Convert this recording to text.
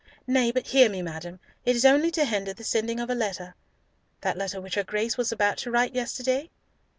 "Nay, but hear me, madam. It is only to hinder the sending of a letter." "That letter which her Grace was about to write yesterday?"